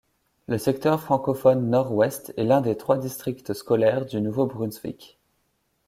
Le secteur Francophone Nord-Ouest est l'un des trois districts scolaires du Nouveau-Brunswick.